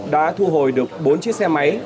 đã thu hồi được bốn chiếc xe máy